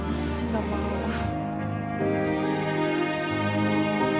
nailah nailah nailah